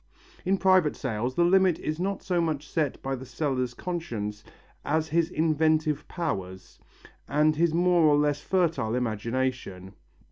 In private sales the limit is not so much set by the seller's conscience as his inventive powers, and his more or less fertile imagination.